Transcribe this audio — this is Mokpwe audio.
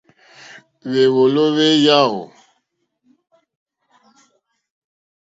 Hwèwòló hwé yáò.